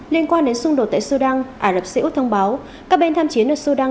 liên quan đến xung đột tại sudan ả rập xê út thông báo các bên tham chiến ở sudan